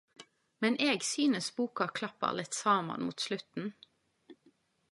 Men eg synest boka klappar litt saman mot slutten.